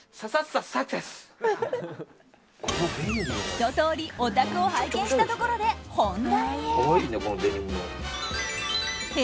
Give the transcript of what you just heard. ひととおり、お宅を拝見したところで本題へ。